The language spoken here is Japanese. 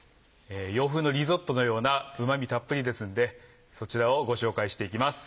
洋風のリゾットのようなうま味たっぷりですのでそちらをご紹介していきます。